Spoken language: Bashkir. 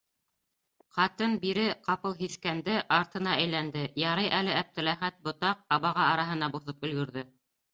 Ҡатын-бире ҡапыл һиҫкәнде, артына әйләнде - ярай әле Әптеләхәт ботаҡ, абаға араһына боҫоп өлгөрҙө.